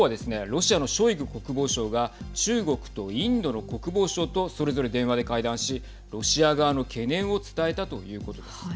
ロシアのショイグ国防相が中国とインドの国防相とそれぞれ電話で会談しロシア側の懸念を伝えたということです。